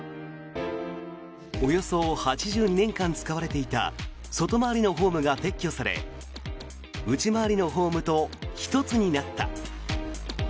およそ８２年間使われていた外回りのホームが撤去され内回りのホームと１つになった。